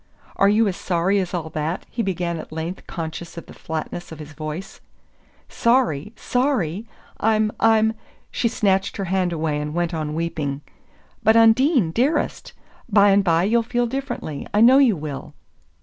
"Are you as sorry as all that?" he began at length conscious of the flatness of his voice. "Sorry sorry? I'm I'm " She snatched her hand away, and went on weeping. "But, Undine dearest bye and bye you'll feel differently I know you will!"